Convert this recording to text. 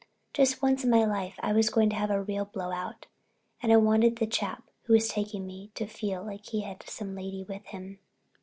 Just once in my life I was going to have a real blowout, and I wanted the chap who was taking me to feel he'd some lady with him.